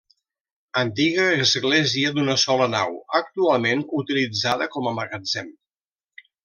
Antiga església d'una sola nau actualment utilitzada com a magatzem.